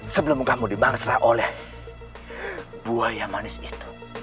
sebelum kamu dimangsa oleh buah yang manis itu